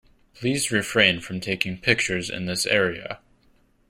Please refrain from taking pictures in this area.